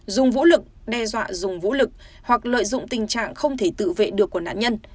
dùng vũ lực đe dọa dùng vũ lực hoặc lợi dụng tình trạng không thể tự vệ được của nạn nhân